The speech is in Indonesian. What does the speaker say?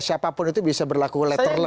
siapapun itu bisa berlaku letterleg